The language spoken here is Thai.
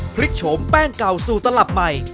พริกโฉมแป้งเก่าสู่ตลับใหม่